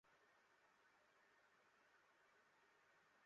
আমারা তিন ভাই আর তিন বোন।